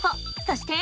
そして。